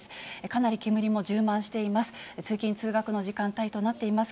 かなり煙も充満しています。